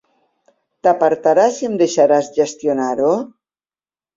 T'apartaràs i em deixaràs gestionar-ho?